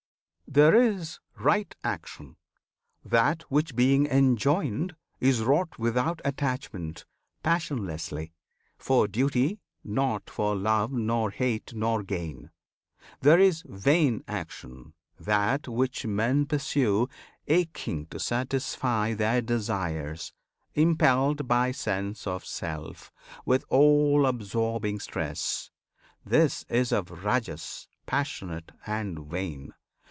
There is "right" Action: that which being enjoined Is wrought without attachment, passionlessly, For duty, not for love, nor hate, nor gain. There is "vain" Action: that which men pursue Aching to satisfy desires, impelled By sense of self, with all absorbing stress: This is of Rajas passionate and vain.